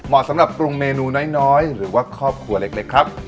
สำหรับปรุงเมนูน้อยหรือว่าครอบครัวเล็กครับ